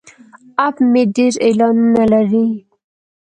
اپ مې ډیر اعلانونه لري.